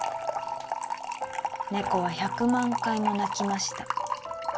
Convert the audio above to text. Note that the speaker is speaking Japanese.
「ねこは１００万回もなきました」